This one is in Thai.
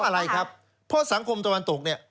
อะไรครับเพราะสังคมตะวันตกเนี่ย